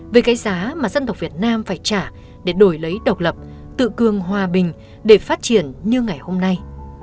về cái giá mà dân tộc việt nam phải trả để đổi lấy độc lập tự cường hòa bình để phát triển như ngày hôm nay